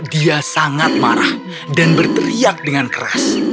dia sangat marah dan berteriak dengan keras